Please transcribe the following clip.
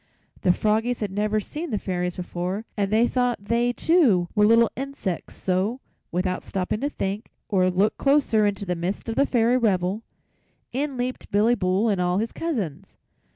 The froggies had never seen the Fairies before and they thought they, too, were little insects, so, without stopping to think or look closer into the midst of the Fairy revel, in leaped Billy Bull and all his cousins.